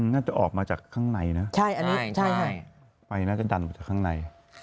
น่าจะออกมาจากข้างในน่ะใช่อันนี้ใช่ไฟน่าจะดันเหมือนจะข้างใน